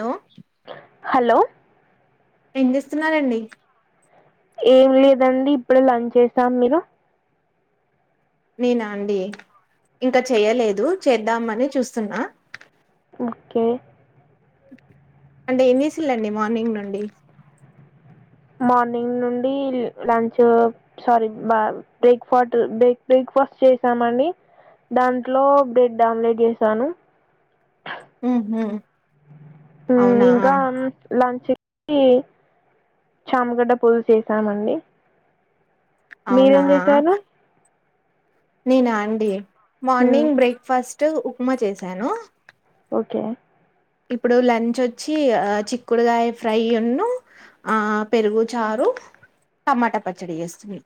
Hello hello ఏం చేస్తున్నారండి. ఏం లేదండి ఇప్పుడు లంచ్ చేసాం మీరు నేనా అండి ఇంకా చెయ్యలేదు చేద్దామని చూస్తున్నా ఓకే అంటే ఎమ్జెసిలండి మార్నింగ్ నుండి మార్నింగ్ నుండి లంచ్ సారీ బ బ్రేక్ఫాట్ బ్రేక్ బేక్ ఫస్ట్ చేసామండి దాంట్లో బ్రెడ్ ఆమ్లెట్ చేసాను. ఉహుం ఇంకా లంచ్ ఈ చామగడ్డ పూలాస్ చేసామండి. అవునా మీరేం చేసారు? నేనా అండి మ్, మార్నింగ్ బ్రేక్ఫాస్ట్ ఉప్మా చేశాను. ఓకే ఇప్పుడు లంచ్ ఓచ్చి ఆ చిక్కుడుగాయ ఫ్రై ఉన్ను ఆ పెరుగు చారు టమాటా పచ్చడి ఏస్తుంది.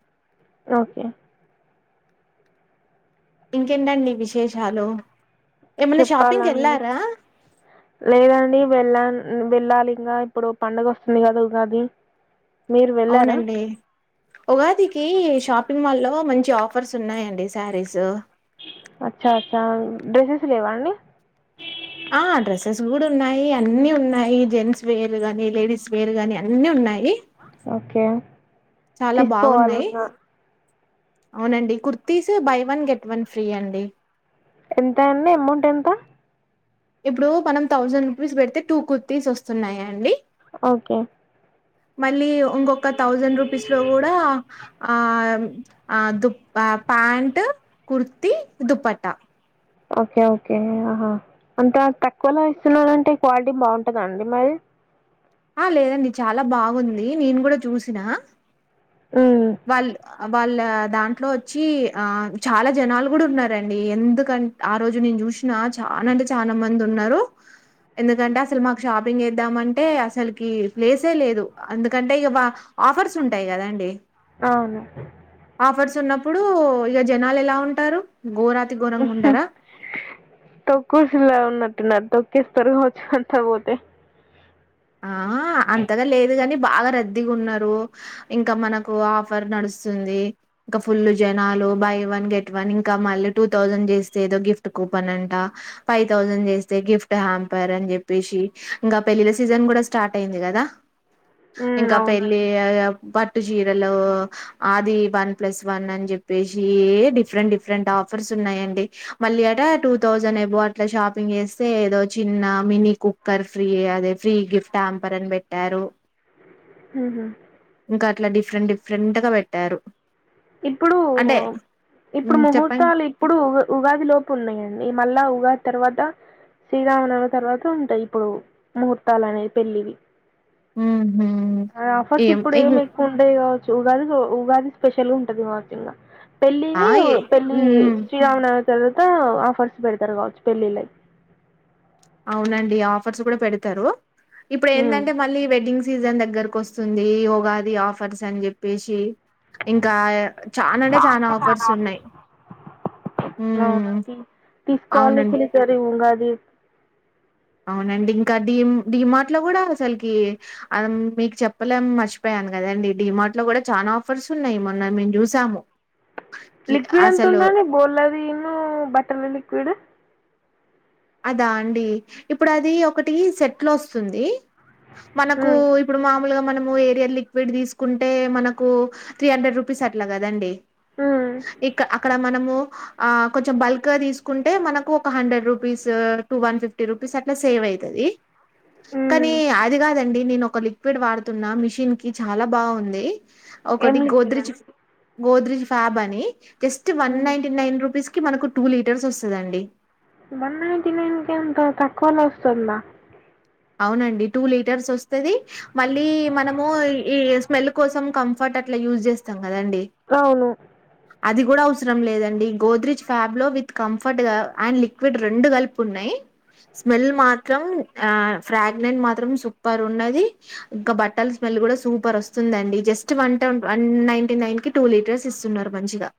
ఓకే ఇంకెంటండి విశేషాలు ఏమన్నా షాపింగ్ చెప్పాలండి వెళ్ళారా లేదండి వెళ్ళాను. వెళ్ళాలి ఇంకా ఇప్పుడు పండగ వస్తుంది కదా ఉగాది మీరు వెళ్ళారా అవునండి ఉగాదికి షాపింగ్ మాల్ లో మంచి ఆఫర్స్ ఉన్నాయండి సారీస్ అచ్చా అచ్చా డ్రెస్సెస్ లేవాండి. ఆ డ్రెస్సెస్ కూడా ఉన్నాయి. అన్నీ ఉన్నాయి జెంట్స్ వేర్ గాని లేడీస్ వేర్ గాని అన్ని ఉన్నాయి. ఓకే చాలా బాగున్నాయి తీసుకోవాలింకా అవునండి kurtis buy one get one free అండి. ఎంత అండి అమౌంట్ ఎంత? ఇప్పుడు మనం థౌసండ్ రూపీస్ పెడితే టూ కుర్తీస్ వస్తున్నాయా అండి. ఓకే మళ్ళీ ఇంకొక థౌజండ్ రూపీస్ లో కూడా ఆ ఆ దుప్ ఆ pant kurti dupatta okay okay ఆహా అంత తక్కువలో ఇస్తున్నారంటే క్వాలిటీ బావుంటదాండి మరి ఆ లేదండి చాలా బాగుంది నేను కూడా చూసిన ఉమ్ వాళ్ వాళ్ళ దాంట్లో వచ్చి ఆ చాలా జనాలు కూడా ఉన్నారండి ఎందుకంట ఆ రోజు నుం జుషీనా చాలా అంటే చాలా మంది ఉన్నారు. ఎందుకంటే అసలు మాకు షాపింగ్ చేద్దామంటే అసలుకి ప్లేసే లేదు. ఎందుకంటే ఇగ వ ఆఫర్స్ ఉంటాయి కదా అండి. అవును ఇప్పుడు ఇగ జనాలు ఎలా ఉంటారు? ఘోరాతి ఘోరంగా ఉహ్ ఉండరా తొక్కుసల ఉన్నాటున్నారు. తొక్కేస్తారు కావచ్చు అంత పోతే ఆ అంతగా లేదు గాని బాగా రద్దీగా ఉన్నారు. ఇంకా మనకు ఆఫర్ నడుస్ సుంది ఇంకా ఫుల్ జనాలు బై వన్ గెట్ వన్ ఇంకా మళ్ళీ టూ థౌజండ్ చేస్తే ఏదో గిఫ్ట్ కూపన్ అంటా ఫైవ్ తౌసండ్ చేస్తే గిఫ్ట్ హ్యాంపర్ అని జెప్పేసి ఇంకా పెళ్లిలా సీజ్ సీజన్ కూడా స్టార్ట్ అయింది కదా ఉమ్ ఇంకా పెళ్లి అవునండి అ అ పా చీరలో ఆది వన్ ప్లస్ వన్ అని చెప్పేసి డిఫరెంట్ డిఫరెంట్ ఆఫర్స్ ఉన్నాయి అండి. మళ్ళీ అడ టూ థౌసండ్ ఏబో అట్లా షాపింగ్ చేస్తే ఏదో చిన్న మినీ కుక్కర్ రఫ్రె అదే ఫ్రీ గిఫ్ట్ అంపారన్ బెట్టారు. హుహ్ అట్లా డిఫరెంట్ డిఫరెంట్ గా పెట్టారు. ఇప్పుడు అంటే ఒప్ ఇప్పుడు హ్మ్, చెప్పండి ముహూర్తాలు ఇప్పుడు ఉగ్ ఉగాది లోపు ఉన్నాయండి మళ్ళా ఉగాద్ తర్వాత శ్రీరావనవి తర్వాత ఉంటాయి. ఇప్పుడు ముహూర్తాలు అనేవి పెళ్ళివి. ఉహ్ ఆ ఫస్ట్ ఇప్పుడు ఏమి ఎక్కువ ఉండాయ్ గావచ్చు. ఉగాది జో ఉగాది స్పెషల్ ఉంటది మాకింగా. ఆ పెళ్ళివి ఓ ఎ పెళ్ళి హ్మ్. శ్రీరావన్నావ్ తర్వాత ఆఫర్స్ బెడతారు గావచ్చు పెళ్ళిలై అవునండి ఆఫర్స్ కూడా పెడతరు. ఇప్పుడు హ్మ్ ఇప్పుడేందంటే మళ్ళీ వెడ్డింగ్స్ సీజన్ దగ్గరకు వస్తుంది. ఉగాది ఆఫర్స్ అని జేప్పేసి ఇంకా చానంటే చానా ఆఫర్స్ ఉన్నాయ్. లావునండి తీసుకోవాలి అవునండి. చిల్కరి ఉగార్ అవునండి ఇంకా డిం డిమార్ట్ లో కూడా అసలకి ఆమ్ మీకు చెప్పలేం మర్చిపోయా నన్ కదండి. డిమార్ట్ లో కూడా చానా ఆఫర్స్ ఉన్నాయ్ మొన్న మేమ్ జూసాము. కి లిక్విడ్ అసలు ఎంతుందండి బోలాదిను బట్టల లిక్విడు అదా అండి. ఇప్పుడు అది ఒకటి సెట్లో వస్తుంది. మనకు హ్మ్ ఇప్పుడు మామ్ ఉల్గా మనము ఏరియార్ లిక్విడ్ తీసుకుంటే మనకు త్రీ హండ్రెడ్ రూపీస్ అట్లా కదండి. హ్మ్ ఇక్కా అక్కడ మనము ఆ కొంచెం బల్కగా తీసుకుంటే మనకు ఒక హండ్రెడ్ రూ పిసో టూ వన్ ఫిఫ్టీ రూపీస్ అట్లా సేవ్ అయితది. కానీ హ్మ్ అది గాదండి నేనో ఒక లిక్విడ్ వాడుతున్న మిషిన్ కి చాలా బావుంది. ఏం ఒకటి లిక్విడ్ అండి గోద్రేజడ్ గోద్రెజ్ ఫాబ్ అని జస్ట్ వన్ హ్మ్. నైటీ నైన్ రూపీస్ కీ మనకు టూ లీటర్స్ వసదండి. వన్ నైటీ నైన్ కేనకో తక్కవలో వస్తుందా. అవునండి టూ లీటర్స్ వస్తది. మళ్ళీ మనము ఈఈ స్మెల్ కోసం కాఫర్ట్ ఇట్లా యూజ్ జెస్తం గదండి అవును అదివ్ ఉడ్ అవసరం లేదండి గోద్రేజ్ ఫ్యాబ్ లో విత్ కంఫర్ట్ గా అండ్ లిక్విడ్ రెండు గాలుపునాయ్. స్మెల్ మాత్రం ఆ ఫ్రాగ్నెన్ మాత్రం సూపర్ ఉన్నది. ఇంకా బట్టల స్మెల్ కూడా సూపర్ వస్తుందండి. జస్ట్ వంట టోట్ వన్ నైటీ నైన్ కి టూ లీటర్స్ ఇస్తున్నారు మంచిగా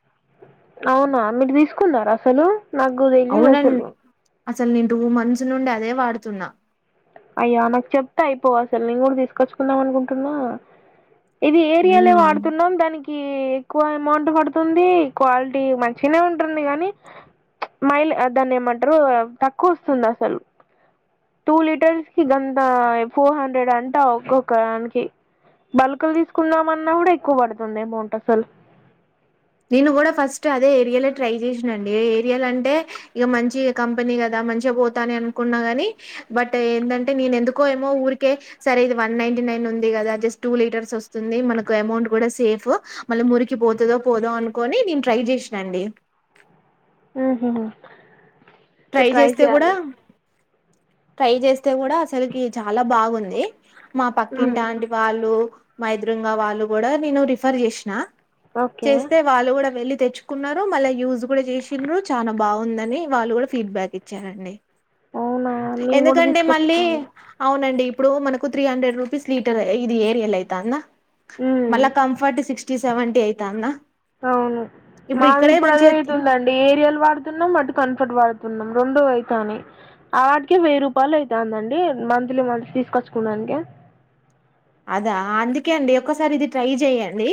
అవునా మీర్ రీసుకున్నారు అసలు నాగు దేలీయదు అసలు అసల్ నీన్ టూ మంత్స్ నుండి అదే వాడుతున్నా. అయో ఆమెక్ చెప్తే అయిపోవ్ అసలు నేన్ గూడ్ దీసుకొచ్చుకుందాం అనుకుంటున్నా. ఇది ఏరియాలే హ్మ్. వాడుతున్నాం దానికి ఎక్కువైమ్ మోంట్ పడుతుంది క్వాలిటీ మంచినే ఉంటుంది గానీ మైల్ దాన్ని ఏమంట్రూ. తక్కువ వస్తుంది అసల్ టూ లీటర్స్ కీ గందా ఫోర్ హండ్రెడ్ అంటా ఒక్కొక్క అన్కి బల్కులు దీసుకుందామన్నా కూడా ఎక్కువ బడుతుంది ఏమౌంట్ అసల్ నేను కూడా ఫస్ట్ అదే ఏరియలే ట్రై జేష్నా అండి. ఏరియాలా అంటే ఇగా మంచి కంపెనీ గదా మంచిగా బోత అని అనుకున్నా గాని బట్ ఎందంటే నేను ఎందుకో ఏమో ఊరికే సరే ఇది వన్ నైటీ నీన్ ఉంది గదా, జస్ట్ టూ లీటర్స్ వస్తుంది, మనకు ఏమౌంట్ గూడా సేఫ్ మళ్ళీ మురికిపోతదో పోదో అనుకోని నీన్ ట్రై జేషనండి. హుహూ ట్రై జేస్తే గూడా ట్రై జేస్తే గూడా అసలకి చాలా బావుంది. మా పక్కింటి ఆంటీ వాళ్ళు మా ఎదురుగావాళ్ళు కూడా నేను రిఫర్ జేషనా. ఓకే చేస్తే వాళ్ళు కూడా వెళ్ళి తెచ్చుకున్నారు మళ్ళా యూజ్ కూడా జేచ్చిన్రు చానా బావుందని వాళ్ళు కూడా ఫీడ్బ్యాక్ ఫీడబ్యాక్ ఇచ్చారండి. అవునా నేను కూడా ఎందుకంటే మళ్ళీ తీసుకొచ్చుకోవాలి అవునండిప్ ఇప్పుడు మనకు త్రీ హండ్రెడ్ రూపీస్ లీటర్ ఇది ఏరియల్ అయితందా మళ్ల ఉమ్ కంఫర్ట్ సిక్స్టీ సెవెన్టీ ఐతందా అవును మాది ఇప్పుడు అదే ఐతుందండి ఏరియల్ వాడుతున్నం మట్ కంఫర్ట్ వాడు తున్నం రెండు అయితనయ్ ఆ వాటికి వెయ్యి రూపాయలు ఐతందండి మంత్లీ మంత్లీ తీసుకచ్చుకునన్ ఇంకా అదా అందుకే అండి ఒకసారి ఇది ట్రై చెయండి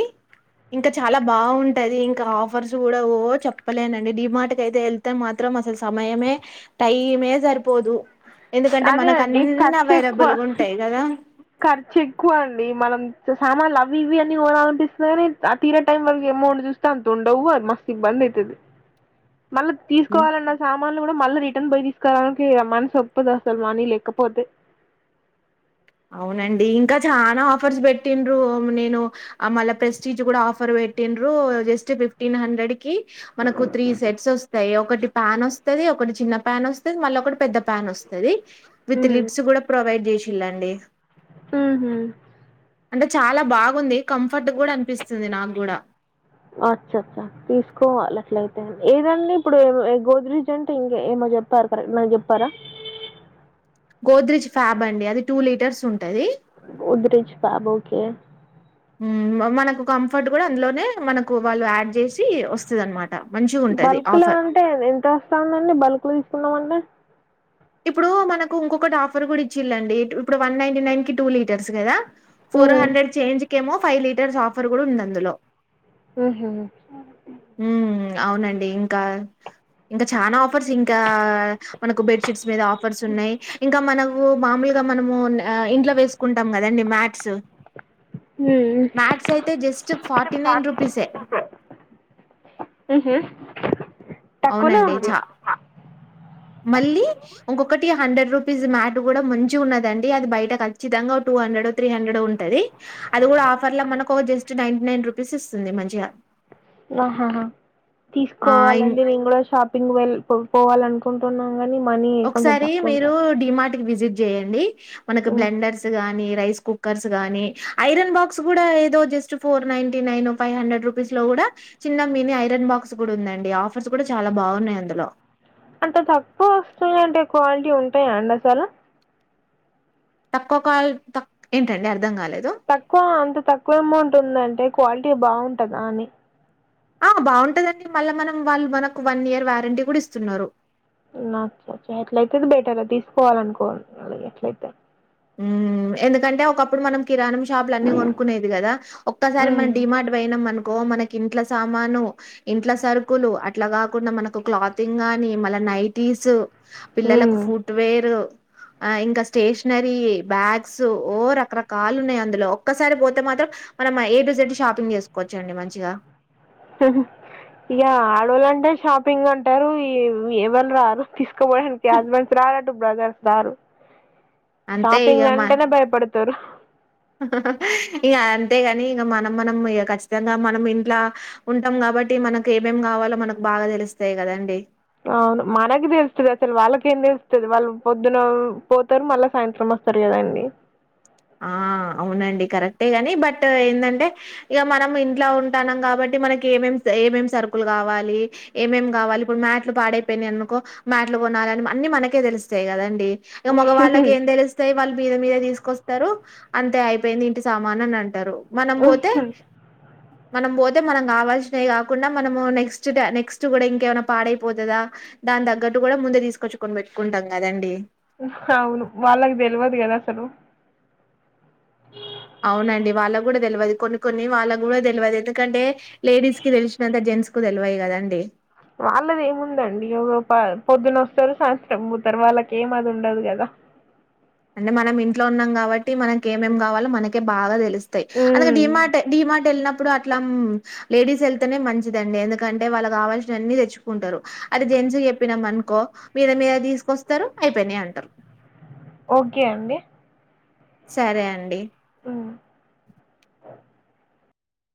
ఇంకా చాలా బాగుంటది ఇంకా ఆఫర్స్ కూడా ఓ చెప్పలేనండి డిమార్ట్ కయితే వెళ్తే మాత్రం మేం అసలు సమయమే టైమే సరిపోదు ఎందుకంటే అదే మనకు అండి అన్ని ఖర్చు ఎక్కువ అవైలబుల్గా ఉంటాయి కదా ఖర్చ్ ఎక్కువ అండి మనం సామాన్లు అవి ఇవి అన్ని కోనాలనిపిస్తుంది కాని ఆ తీర టైం వరకు అమౌంట్ చూస్తే అంత ఉండది డవు మస్త్ ఇబ్బంది ఐతది మళ్ళీ తీసుకోవాలన్న సామానులు కూడా మళ్ళ రిటర్న్ పోయి తీస్ కరానికి ఇగ మనసొప్పదు అసలు ఇగ మనీ లేకపోతే అవునండి ఇంకా చానా ఆఫర్స్ పెట్టిన్రు నేను మళ్ళ ప్రెస్టీజ కూడా ఆఫర్ పె పెట్టిన్రు జస్ట్ ఫిఫ్టీన్ హండ్రెడ్ కి మనకు త్రీ సెట్స్ వస్తాయి ఒకటి పాన్ వస్తది ఒకటి చిన్న పన్ వస్తది మళ్ళీ ఒకటి పెద్ద ప్యాన్ వస్తది విత్ లిడ్స్ కూడా ప్రొవైడ్ చేసిళ్ళండి ఊహు అంటే చాలా బాగుంది కంఫర్ట్ కూడా అనిపిస్తుంది నాకు కూడా అచ్చ అచ్చ తీసుకోవాలి అట్లయితే ఏదండి ఇప్పుడు ఏ ఏ గోద్రీజ్ అంటే ఇంక ఏమ చెప్పారు కరెక్ట్ నాకు చెప్పారా గోద్రేజ్ ఫ్యాబ్ అండి అది టూ లీటర్స్ ఉంటది గోద్రేజ్ ఫ్యాబ్ ఓకే మనకు కంఫర్ట్ కూడా అందులోనే మనకు వాళ్ళు యాడ్ చేసి వస్తదనమాట బల్క్ల అంటే ఎంత వస్తాందండి బల్క్ తీసుకున్నమంటె ఇప్పుడు మనకు ఇంకొకటి ఆఫర్ కూడా ఇచ్చిలండి ఇప్పుడు వన్ నైన్టీ నైన్ కి టూ లీటర్స్ కదా ఫోర్ హ్మ్. హండ్రెడ్ చేంజ్ కేమో ఫైవ్ లీటర్స్ ఆఫర్ కూడా ఉంది అందులో ఊహు ఉ అవునండి ఇంకా ఇంకా చనా ఆఫర్స్ ఇంకా మనకు బెడ్షీట్స్ మీద ఆఫర్స్ ఉన్నాయి ఇంకా మనకు మామూలుగా ఇగ మనము ఆ ఇంట్ల వేసుకుంటాం కదండి మ్యాట్స్ హ్మ్. మ్యాట్స్ అయితే జస్ట్ ఫార్టీ నైన్ రూపీసే ఊహు అవునండి చా మళ్ళీ ఇంకొకటి హండ్రెడ్ రూపీస్ మ్యాట్ కూడా మంచిగున్నదండి అది బయట ఖచ్చితంగా టూ టుహండ్రెడ్ ఒ త్రీ హండ్రెడ్ ఒ ఉంటది అది కూడా ఆఫర్ లో మనకు జస్ట్ నైన్టీ నైన్ రూపీస్ ఇస్తుంది మంచిగా ఆహాహా ఆ ఇం తీసుకోవాలండి నేను కూడా షాపింగ్ వెళ్ పోవాలనుకుంటున్నా ఒకసారి మీరు డిమార్ట్ కి విజిట్ చేయండి మనకు హ్మ్. బ్లెండర్స్ గాని రైస్ కుక్కర్స్ గాని ఐరన్ బాక్స్ కూడా ఏదో just four ninety nine five hundred rupees లో కూడా డ చిన్న మిని ఐరన్ బాక్స్ కూడా ఉందండి ఆఫర్స్ కూడా చాలా బాగున్నాయి అందులో అంటే తక్కువ వస్తున్నయంటే క్వాలిటీ ఉంటాయా అండి అసలు తక్కువ కాల్ తక్ ఏంటండి అర్థం కాలే తక్కువ అంత తక్కువ అమౌంట్ ఉందంటే క్వాలిటీ బాగుంటందా అని ఆ బాగుంటదండి మళ్ళా మనం వాళ్ళు మనకు వన్ ఇయర్ వారంటీ కూడా ఇస్తున్నారు నచ్చచ్చ ఎట్లయితే బెటర్ తీసుకోవాల అనుకోండి అట్లయితే ఊ ఎందుకంటే ఒకప్పుడు మనం కిరాణం షాపులన్నీ కొనుకునేది కద ఒక్కసారి మన ఉమ్ డిమార్ట్ పోయినమను కో మనకు ఇంట్ల సామాను ఇంట్ల సరుకులు అట్లా కాకుండా మనకు క్లాతింగ్ కానీ మల నైటీస్ ఉమ్ పిల్లలకు ఫుట్వేర్ ఆహ్ ఇంకా స్టేష్ నరీ బ్యాగ్స్ ఓ రకరకాలున్నాయి అందులో ఒసారి పోతే మనం ఏ టు జడ్ షాపింగ్ చేసుకోవచ్చండి మంచిగా ఇక ఆడాళ్ళంటే షాపింగ్ అంటరు ఇగ ఎవ్వల్రారు తీస్కపోనికి హస్బెండ్స్ రారు అటు బ్రదర్స్ రారు అంతే ఇగ షాపింగ్ మా అంటేనే భయపడతారు ఇగ అంత అంతే కని ఇక మనం మనం ఖచ్చితంగా మనం ఇంట్లా ఉంటాం కాబట్టి మనకి ఏమేం కావాలో మనకు బా బాగా తెలుస్తాయి కదా అండి అవును మనకి తెలుస్తది అసలు వాళ్ళకేం వాళ్ళు పొద్దున పోతారు మళ్ళా సాయంత్రం వస్తారు కదండి ఆ అవునండి కరెక్టే గాని బట్ ఎందంటే ఇక మనం ఇంట్ల ఉంటానం కాబట్టి మనకి ఏమేం సరుకులు కావాలి ఏమేం కావాలి ఇప్పుడు మాట్లు పాడపోయినా అనుకో మాట్లు కొనాలని మనకే తెలుస్తాయి కదండి మగవాళ్ళకి ఏం తెలుస్తాయి వాళ్ళు మీద మీద తీసుకొస్త టారూ అంతే అయిపోయింది ఇంటి సామాన్ అని అంటారు మనం పోతే మనం పోతే మనం కావాల్సినవి కాకుండా మనము నెక్స్ట్ నెక్స్ట్ కూడా ఇంకేమైనా పాడైపోతుందా దాని తగ్గట్టు కూడా ముందే తీసుకొచ్చి కొనిపెట్టుకుంటాం కదండి అవును వాళ్ళకు తెలియదు కదా అసలు అ అవునండి వాళ్ళకు కూడా తెలియదు కొన్ని కొన్ని వాళ్ళకు కూడా తెలియదు ఎందుకంటే లేడీస్ కి తెలిసినంత జెట్స్ కు తెలివాయి కదా అండి వాళ్ళది ఏముందండి పొద్దున వస్తారు సాయంత్రం పోతారు వాళ్ళకి ఏమది ఉండదు కదా అంటే మనం ఇంట్లో ఉన్నాం కాబట్టి మనకి ఏమేం కావాలో మనకే బాగా తెలుసు అ డి మార్ డి మార్ట్ ఎ ఇప్పుడు అట్లా లేడీస్ వెళ్తేనే మంచిదండి ఎందుకంటే వాళ్ళు కావాల్సిన అన్ని తెచ్చుకుంటారు అది ఎంచ చెప్పినాం అనుకో మీద మీద తీసుకొస్తారు అయిపోయినా అంటారు ఓకే అండి సరే అండి అ